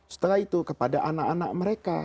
setelah itu kepada anak anak mereka